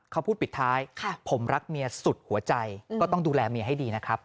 เขาพูดปิดท้ายผมรักเมียสุดหัวใจก็ต้องดูแลเมียให้ดีนะครับ